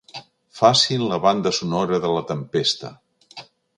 Facin la banda sonora de la tempesta.